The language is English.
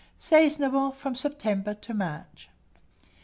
Seasonable from September to March.